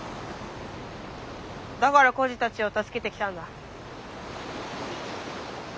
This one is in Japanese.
だから孤児たちを助けてきたんだ。